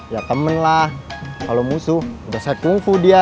ya temen lah kalo musuh udah set kungfu dia